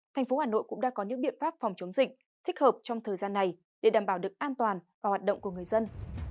thành phố hà nội cũng đã có những biện pháp phòng chống dịch thích hợp trong thời gian này để đảm bảo được an toàn và hoạt động của người dân